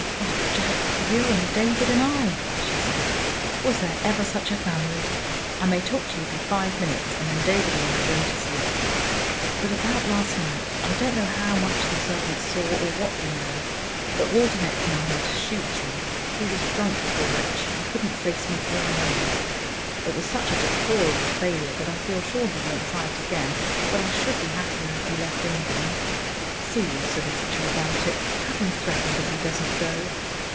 "Oh, Jack, you and David and I!" she said. "Was there ever such a family? I may talk to you for five minutes, and then David and I are going to sleep. But about last night. I don't know how much the servants saw, or what they know, but Waldenech came here to shoot you. He was drunk, poor wretch, he couldn't face me for a moment. It was such a deplorable failure that I feel sure he won't try it again, but I should be happier if he left England. See your solicitor about it, have him threatened if he doesn't go.